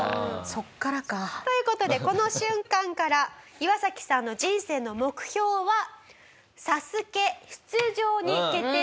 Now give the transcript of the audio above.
そこからか。という事でこの瞬間からイワサキさんの人生の目標は『ＳＡＳＵＫＥ』出場に決定しました。